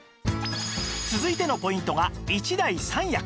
続いてのポイントが１台３役